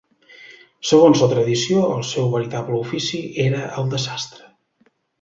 Segons la tradició, el seu veritable ofici era el de sastre.